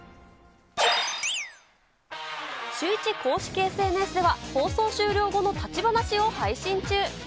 シューイチ公式ＳＮＳでは、放送終了後の立ち話を配信中。